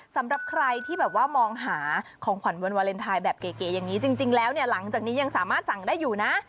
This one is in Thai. สำหรับใครที่แบบว่ามองหาของขวัญวันวาเลนไทยแบบเก๋อย่างนี้จริงแล้วเนี่ยหลังจากนี้ยังสามารถสั่งได้อยู่นะ